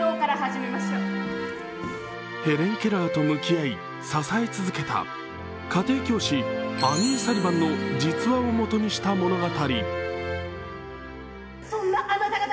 ヘレン・ケラーと向き合い、支え続けた家庭教師アニー・サリヴァンの実話をもとにした物語。